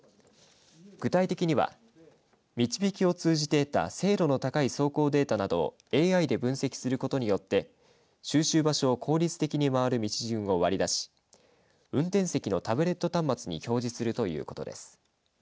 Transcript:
具体的にはみちびきを通じて得た精度の高い走行データなどをＡＩで分析することによって収集場所を効率的に回る道順を割り出し運転席のタブレット端末に表示するということです。